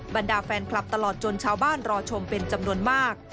บรรดาแฟนคลับตลอดจนชาวบ้านรอชมเป็นจำนวนมาก